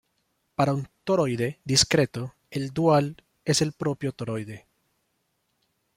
Para un toroide discreto, el dual es el propio toroide.